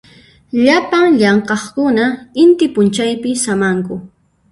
Llapan llamk'aqkuna inti p'unchaypi samanku.